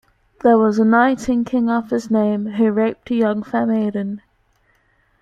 There was a knight in King Arthur's time who raped a fair young maiden.